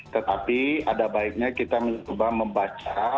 tetapi ada baiknya kita mencoba membaca